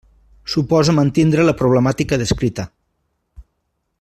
Suposa mantindre la problemàtica descrita.